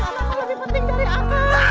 kenapa nggak berhubung sama teman